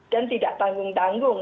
dan tidak tanggung tanggung